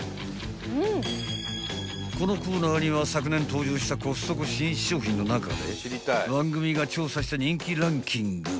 ［このコーナーには昨年登場したコストコ新商品の中で番組が調査した人気ランキング